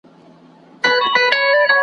غاښ چي رنځور سي، نو د انبور سي